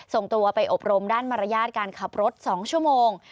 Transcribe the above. ส่งตัวไปอบรมด้านมารยาทการขับรถ๒ชั่วโมง